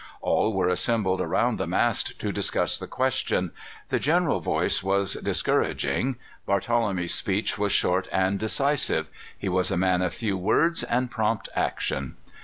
All were assembled around the mast to discuss the question. The general voice was discouraging. Barthelemy's speech was short and decisive. He was a man of few words and prompt action.